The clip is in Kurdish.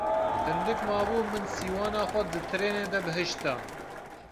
Hindik mabû min sîwana xwe di trênê de bihişta.